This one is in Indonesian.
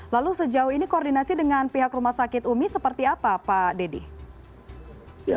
lalu sejauh ini koordinasi dengan pihak rumah sakit umi seperti apa pak dedy